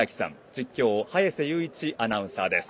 実況、早瀬雄一アナウンサーです。